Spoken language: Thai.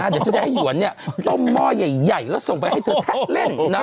เดี๋ยวจะได้ให้หยวนต้มหม้อใหญ่แล้วส่งไปให้เธอเล่นนะ